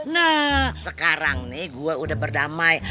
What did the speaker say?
nah sekarang nih gue udah berdamai